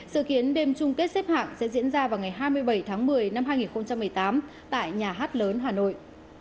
sự kiến đêm chung kết xếp hạng sẽ diễn ra vào ngày hai mươi bảy tháng một mươi năm hai nghìn một mươi tám tại nhà hát lớn hà nội